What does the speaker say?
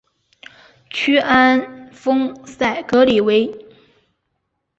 屈安丰塞格里韦。